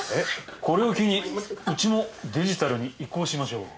これを機にうちもデジタルに移行しましょう。